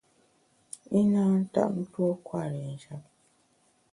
I na ntap tuo kwer i njap.